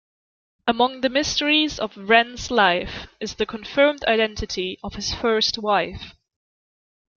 Among the mysteries of Wren's life is the confirmed identity of his first wife.